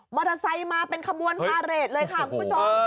มอเตอร์ไซต์มาเป็นคำวนมาเรศเลยค่ะผมชม